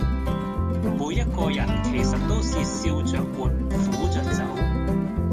每一個人其實都是笑著活，苦著走